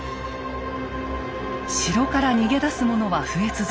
城から逃げ出すものは増え続け